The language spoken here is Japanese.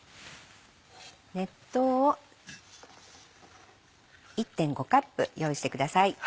熱湯を１．５カップ用意してください。